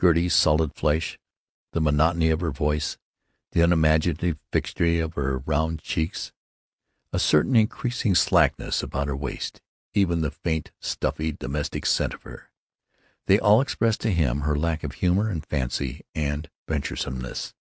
Gertie's solid flesh, the monotony of her voice, the unimaginative fixity of her round cheeks, a certain increasing slackness about her waist, even the faint, stuffy domestic scent of her—they all expressed to him her lack of humor and fancy and venturesomeness.